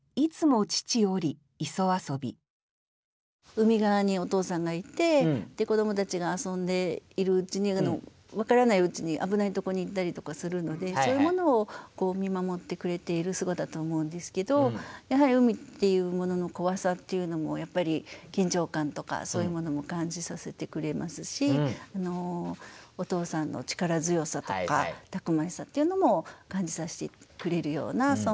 海側にお父さんがいてで子どもたちが遊んでいるうちに分からないうちに危ないとこに行ったりとかするのでそういうものを見守ってくれている姿と思うんですけどやはり海っていうものの怖さっていうのもやっぱり緊張感とかそういうものも感じさせてくれますしお父さんの力強さとかたくましさっていうのも感じさせてくれるようなそんな句だと思います。